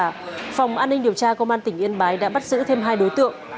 phòng an ninh điều tra công an tỉnh yên bái đã bắt giữ thêm hai đối tượng